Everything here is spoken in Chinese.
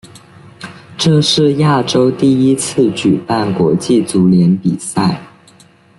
这是亚洲第一次举办国际足联比赛。